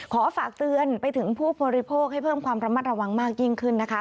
ฝากเตือนไปถึงผู้บริโภคให้เพิ่มความระมัดระวังมากยิ่งขึ้นนะคะ